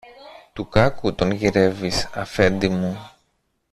του κάκου τον γυρεύεις, Αφέντη μου!